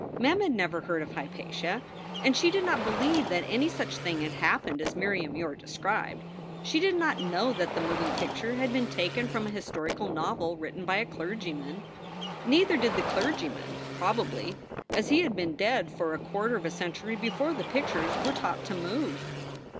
Mem had never heard of Hypatia, and she did not believe that any such thing had happened as Miriam Yore described. She did not know that the moving picture had been taken from a historical novel written by a clergyman. Neither did the clergyman, probably, as he had been dead for a quarter of a century before the pictures were taught to move.